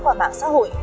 qua mạng xã hội